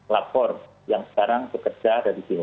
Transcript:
lapor yang sekarang bekerja dari sini